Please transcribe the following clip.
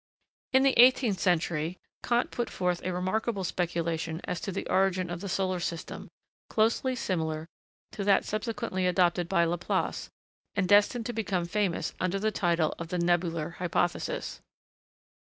In the eighteenth century, Kant put forth a remarkable speculation as to the origin of the solar system, closely similar to that subsequently adopted by Laplace and destined to become famous under the title of the 'nebular hypothesis.'